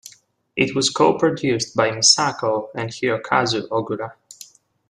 It was co-produced by Misako and Hirokazu Ogura.